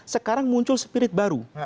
sekarang muncul spirit baru